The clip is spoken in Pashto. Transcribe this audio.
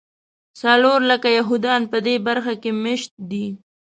څلور لکه یهودیان په دې برخه کې مېشت دي.